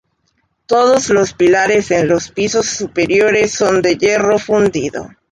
Todos los pilares en los pisos superiores son de hierro fundido.